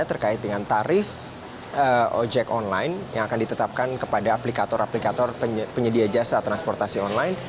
terkait dengan tarif ojek online yang akan ditetapkan kepada aplikator aplikator penyedia jasa transportasi online